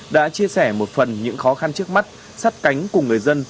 đã chia sẻ một phần những khó khăn trước mắt sát cánh cùng người dân